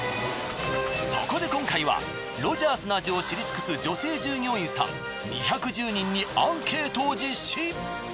そこで今回はロヂャースの味を知り尽くす女性従業員さん２１０人にアンケートを実施。